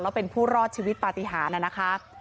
แล้วเป็นผู้รอดชีวิตปฏิหารนะคะ